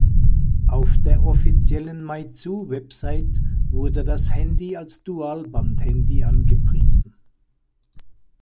Auf der offiziellen Meizu-Website wurde das Handy als Dualband-Handy angepriesen.